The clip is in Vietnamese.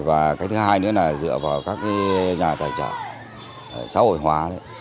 và cái thứ hai nữa là dựa vào các nhà tài trợ xã hội hóa